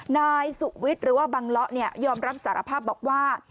นายสุวิทย์หรือว่าบังเลาะยอมรับสารภาพบอกว่า